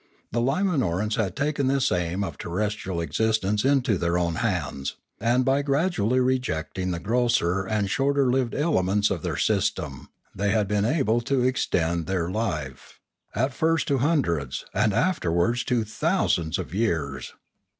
The Limanorans had taken this aim of terres trial existence into their own hands, and by gradually rejecting the grosser and shorter lived elements of their system, they had been able to extend their life, at first to hundreds, and afterwards to thousands of years.